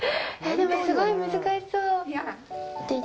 でも、すごい難しそう。